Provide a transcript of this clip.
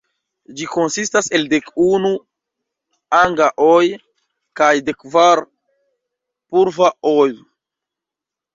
Ĝi konsistas el dek unu "anga-oj" kaj dek kvar "purva-oj".